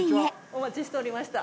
・お待ちしておりました。